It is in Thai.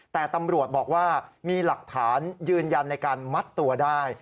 แต่ตำรวจบอกว่ามีหลักฐานยืนยันในการมัดตัวได้